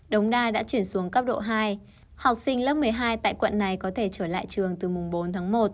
đống đa đã chuyển xuống cấp độ hai học sinh lớp một mươi hai tại quận này có thể trở lại trường từ mùng bốn tháng một